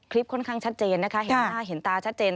ค่อนข้างชัดเจนนะคะเห็นหน้าเห็นตาชัดเจน